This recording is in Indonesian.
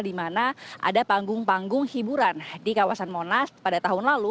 di mana ada panggung panggung hiburan di kawasan monas pada tahun lalu